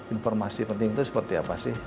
informasi penting itu seperti apa sih